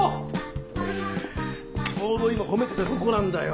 ちょうど今褒めてたとこなんだよ。